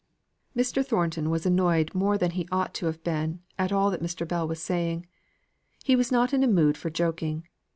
Mr. Thornton was annoyed more than he ought to have been at all that Mr. Bell was saying. He was not in a mood for joking.